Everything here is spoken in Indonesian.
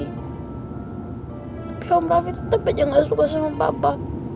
tapi om raffi tetep aja gak suka sama papa